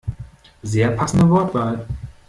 Sehr passende Wortwahl!